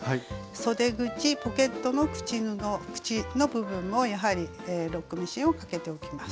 そで口ポケットの口の部分もやはりロックミシンをかけておきます。